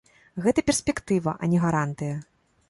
Гэта перспектыва, а не гарантыя.